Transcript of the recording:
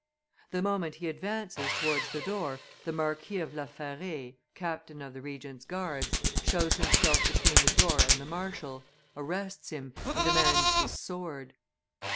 The moment he advances towards the door, the Marquis of La Fare, captain of the Regent's guards, shows himself between the door and the marshal, arrests him, and demands his sword.